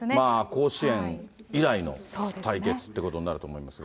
甲子園以来の対決っていうことになると思いますが。